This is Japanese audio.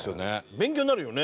勉強になるよね